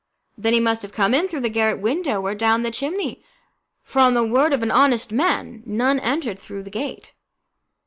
"Then he must have come in through the garret window or down the chimney, for, on the word of an honest man, none entered through the gate."